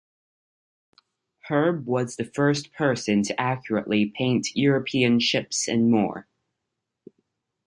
Herb was the first person to accurately paint Europeans ships and more.